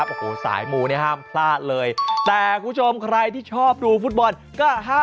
ผมผมจริง